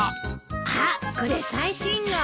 あっこれ最新号。